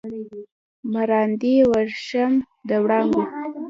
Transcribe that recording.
مراندې وریښم د وړانګو